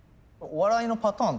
お笑いのパターン？